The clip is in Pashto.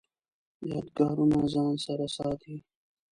یادګارونه ځان سره ساتئ؟